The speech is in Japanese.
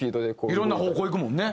いろんな方向行くもんね。